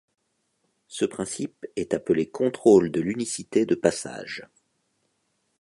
Ce principe est appelé contrôle de l'unicité de passage.